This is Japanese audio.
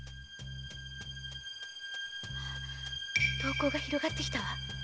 ヒトミが広がってきたわ。